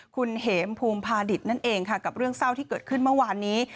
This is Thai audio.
คุณเหมภูมิพาดิตนั่นเองค่ะกับเรื่องเศร้าที่เกิดขึ้นเมื่อวานนี้